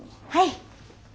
はい！